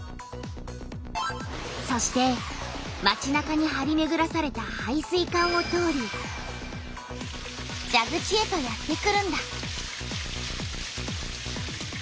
そしてまちなかにはりめぐらされた配水管を通りじゃぐちへとやってくるんだ。